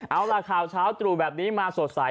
เอาล่ะข่าวเช้าตรู่แบบนี้มาสดใส